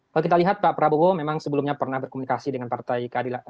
kalau kita lihat pak prabowo memang sebelumnya pernah berkomunikasi dengan partai keadilan